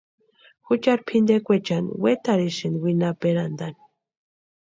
Juchari pʼintekwaechani wetarhisïnti winhaperantani.